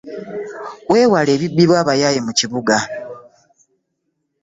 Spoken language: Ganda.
Weewale okubbibwa abayaaye mu kibuga.